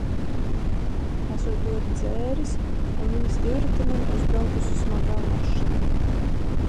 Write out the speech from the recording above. Esot ļoti dzēris un viņa divritenim uzbraukusi smagā mašīna.